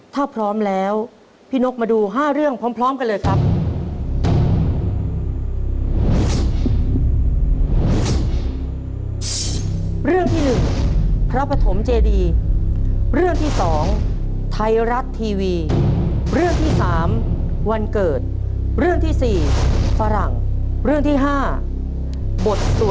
ถ้าพร้อมแล้วพี่นกมาดู๕เรื่องพร้อมกันเลยครับ